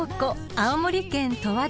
青森県十和田市］